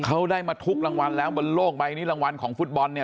เขาได้มาทุกรางวัลแล้วบนโลกใบนี้รางวัลของฟุตบอลเนี่ย